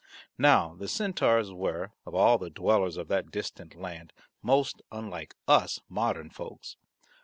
Now the centaurs were, of all the dwellers of that distant land, most unlike us modern folks.